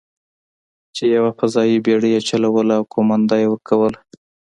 چې یوه فضايي بېړۍ یې چلوله او قومانده یې ورکوله.